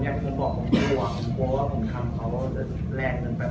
หากทำของเขาแรงเกินไป